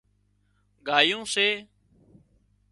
ڳايُون سي